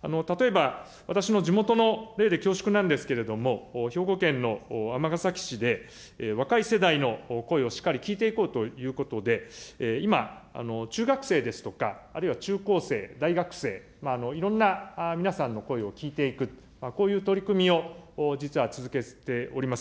例えば私の地元の例で恐縮なんですけれども、兵庫県の尼崎市で、若い世代の声をしっかり聞いていこうということで、今、中学生ですとか、あるいは中高生、大学生、いろんな皆さんの声を聞いていく、こういう取り組みを実は続けております。